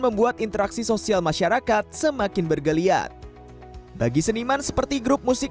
membuat interaksi sosial masyarakat semakin bergeliat bagi seniman seperti grup musik